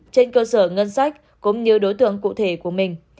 trên cơ sở ngân sách cũng như đối tượng cụ thể của mình